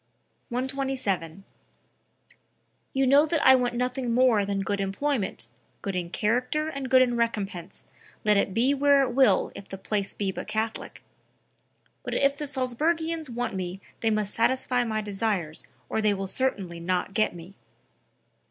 127. "You know that I want nothing more than good employment, good in character and good in recompense, let it be where it will if the place be but Catholic...; but if the Salzburgians want me they must satisfy my desires or they will certainly not get me."